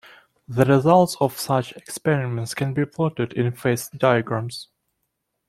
The results of such experiments can be plotted in phase diagrams.